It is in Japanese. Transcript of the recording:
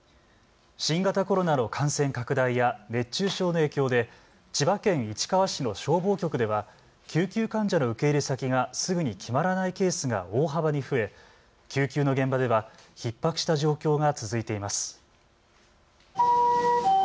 新型コロナの感染拡大や熱中症の影響で千葉県市川市の消防局では救急患者の受け入れ先がすぐに決まらないケースが大幅に増え救急の現場ではひっ迫した状況が続いています。